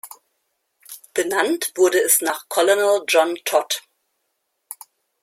Benannt wurde es nach Colonel John Todd.